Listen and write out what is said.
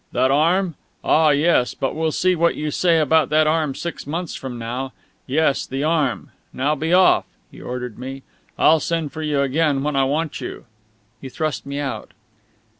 "That arm? Ah, yes; but we'll see what you say about that arm six months from now! Yes, the arm.... Now be off!" he ordered me. "I'll send for you again when I want you!" He thrust me out.